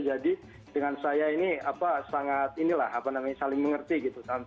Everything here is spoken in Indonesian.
jadi dengan saya ini apa sangat ini lah apa namanya saling mengerti gitu